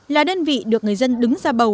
là đơn vị được người dân đứng ra bầu